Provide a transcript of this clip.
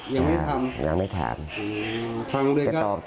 ยังไม่ได้ทำติดต่อพ่อไม่ได้